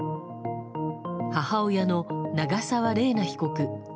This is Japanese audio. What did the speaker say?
母親の長沢麗奈被告。